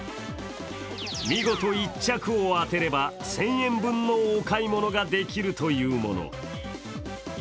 見事１着を当てれば１０００円分のお買い物ができるというもの。